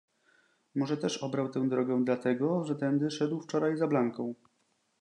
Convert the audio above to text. "Może też obrał tę drogę dla tego, że tędy szedł wczoraj za Blanką."